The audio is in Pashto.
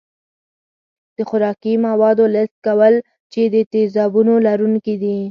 د خوراکي موادو لست کول چې د تیزابونو لرونکي دي.